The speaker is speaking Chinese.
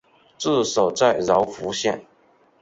治所在柔服县。